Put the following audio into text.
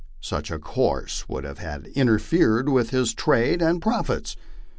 Such a course would have interfered with his trade and profits.